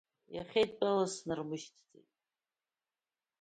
Иахьеидтәалаз снармышьҭӡеит.